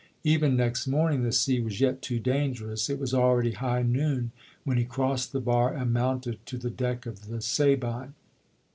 Even next morn ing the sea was yet too dangerous ; it was already high noon when he crossed the bar and mounted to the deck of the Sabine.